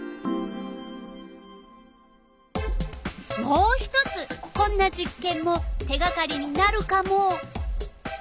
もう一つこんな実けんも手がかりになるカモ！